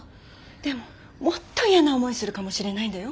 でももっと嫌な思いするかもしれないんだよ。